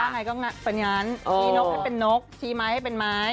ชี้นกให้เป็นนกชี้ไม้ให้เป็นไม้